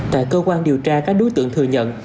tại cơ quan điều tra các đối tượng thừa nhận